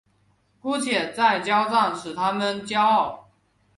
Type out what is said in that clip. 姑且再交战使他们骄傲。